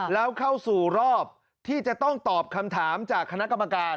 แล้วเข้าสู่รอบที่จะต้องตอบคำถามจากคณะกรรมการ